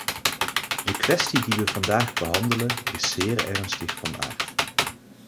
De kwestie die we vandaag behandelen is zeer ernstig van aard.